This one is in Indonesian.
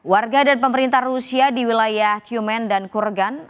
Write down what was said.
warga dan pemerintah rusia di wilayah qman dan kurgan